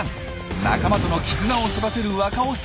仲間との絆を育てる若オスたちに密着！